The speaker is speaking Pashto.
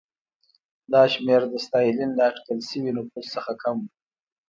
دا شمېر د ستالین له اټکل شوي نفوس څخه کم و.